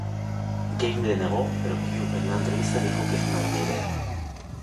Game lo negó, pero Cube en una entrevista dijo que es una buena idea.